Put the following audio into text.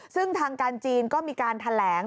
ซึ่งทางการจีนก็มีการแถลง